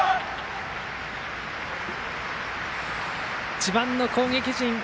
自慢の攻撃陣